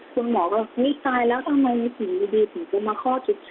คุณหมอก็เฮ้ยตายแล้วทำไมถึงอยู่ดีถึงจะมาคลอดจุด